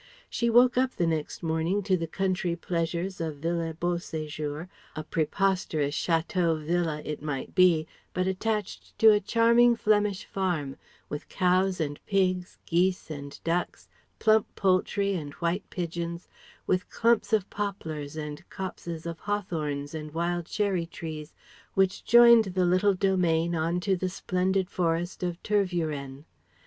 She woke up the next morning to the country pleasures of Villa Beau séjour, a preposterous chateau villa it might be, but attached to a charming Flemish farm; with cows and pigs, geese and ducks, plump poultry and white pigeons, with clumps of poplars and copses of hawthorns and wild cherry trees which joined the little domain on to the splendid forest of Tervueren.